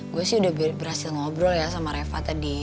gue sih udah berhasil ngobrol ya sama reva tadi